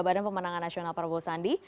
badan pemenangan nasional prabowo sandi